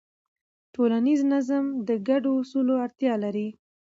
ټولنیز نظم د ګډو اصولو اړتیا لري.